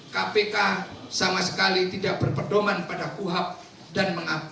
kpk sama sekali tidak berpedoman pada kuhab dan mengabdi